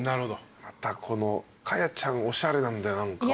またこのかやちゃんおしゃれなんだよ何か。